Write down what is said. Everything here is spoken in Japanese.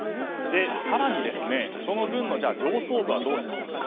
更にその軍の上層部はどうしたか。